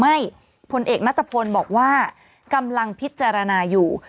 พลเอกนัตรพลบอกว่ากำลังพิจารณาอยู่